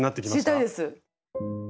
知りたいです。